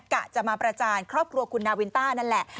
กะจะมาประจานครอบครัวคุณนาวินต้านั่นแหละ